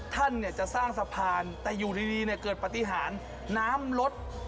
ท่านจะสร้างสะพานแต่อยู่ดีเกิดปฏิหารน้ำลด